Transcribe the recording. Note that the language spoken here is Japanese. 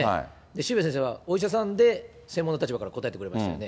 渋谷先生はお医者さんで専門の立場から答えてくれてましたよね。